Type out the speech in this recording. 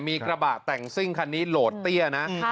มีกระบะแต่งซิ่งคันนี้โหลดเตี้ยนะ